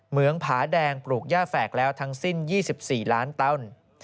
เมืองผาแดงปลูกย่าแฝกแล้วทั้งสิ้น๒๔ล้านต้น